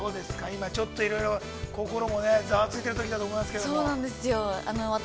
今ちょっといろいろ心もざわついてるときだと思うんですけれども。